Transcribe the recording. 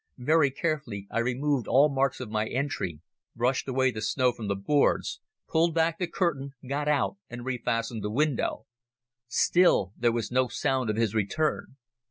Very carefully I removed all marks of my entry, brushed away the snow from the boards, pulled back the curtain, got out and refastened the window. Still there was no sound of his return.